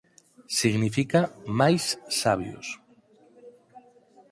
Significa «máis sabios».